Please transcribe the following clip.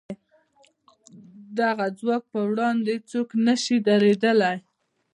د دغه ځواک پر وړاندې څوک نه شي درېدلای.